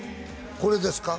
これですか？